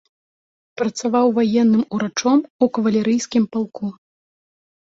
Працаваў ваенным урачом у кавалерыйскім палку.